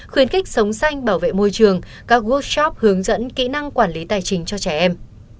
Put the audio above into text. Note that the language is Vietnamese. khuyến khích sống xanh bảo vệ môi trường các workshop hướng dẫn kỹ năng quản lý tài chính cho trẻ em